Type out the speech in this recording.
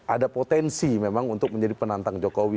ada potensi memang untuk menjadi penantang jokowi